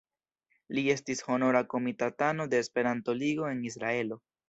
Li estis honora komitatano de Esperanto-Ligo en Israelo.